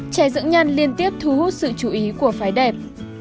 chè dưỡng nhan liên tiếp thú hút sự chú ý của phái đẹp